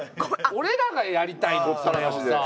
俺らがやりたいのよ